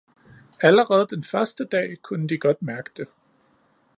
allerede den første dag kunne de godt mærke det.